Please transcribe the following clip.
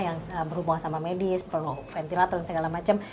yang berhubungan sama medis perlu ventilator dan segala macam